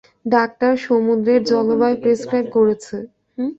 Doctor সমুদ্রের জলবায়ু prescribe করেছে।